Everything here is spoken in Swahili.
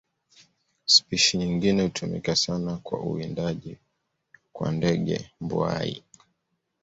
Spishi nyingine hutumika sana kwa uwindaji kwa ndege mbuai.